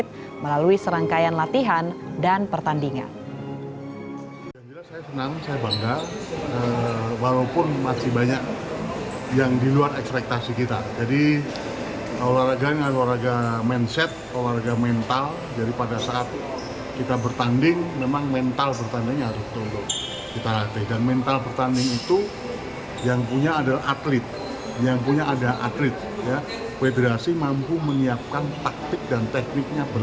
jangan lupa untuk berlangganan dan berlangganan